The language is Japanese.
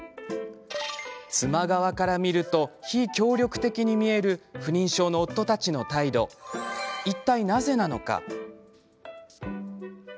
妻側から見ると非協力的に見える不妊症の夫たちの態度いったい、なぜなのか。